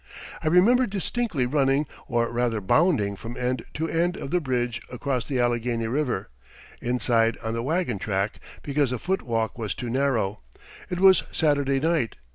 I remember distinctly running or rather bounding from end to end of the bridge across the Allegheny River inside on the wagon track because the foot walk was too narrow. It was Saturday night.